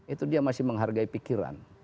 itu dia masih menghargai pikiran